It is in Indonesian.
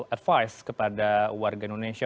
advice kepada warga indonesia